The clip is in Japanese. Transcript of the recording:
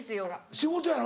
仕事やろ？